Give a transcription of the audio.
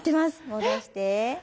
戻して。